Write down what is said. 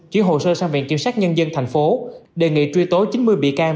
chuyển hồ sơ sang viện kiểm sát nhân dân tp hcm đề nghị truy tố chín mươi bị can